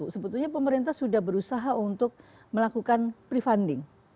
sebetulnya pemerintah sudah berusaha untuk melakukan prefunding